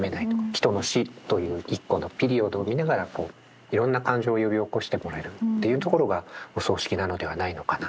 人の死という一個のピリオドを見ながらいろんな感情を呼び起こしてもらえるっていうところがお葬式なのではないのかな。